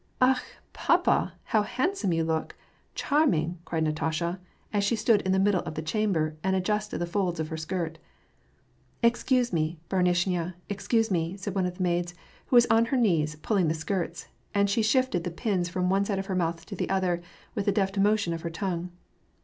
" Akh ! papa, how handsome you look ! Charming !" cried Natasha, as she stood in the middle of the chamber and ad justed the folds of her skirt ^^ Excuse me, bdruishnya, excuse me," said one of the maids, who was on her knees pulling the skirts ; and she shifted the pins from one side of her mouth to the other, with a deft motion of her tongue.